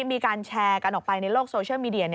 มีการแชร์กันออกไปในโลกโซเชียลมีเดีย